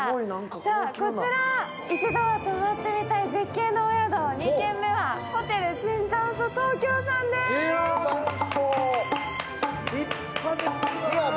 こちら一度は泊まってみたい絶景のお宿、２軒目はホテル椿山荘東京さんです雅！